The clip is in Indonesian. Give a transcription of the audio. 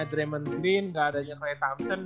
dre mendeen gak adanya ray thompson